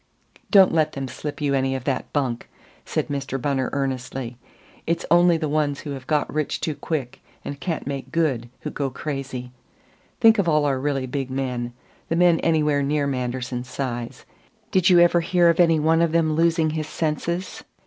"Don't let them slip you any of that bunk," said Mr. Bunner earnestly. "It's only the ones who have got rich too quick, and can't make good, who go crazy. Think of all our really big men the men anywhere near Manderson's size: did you ever hear of any one of them losing his senses?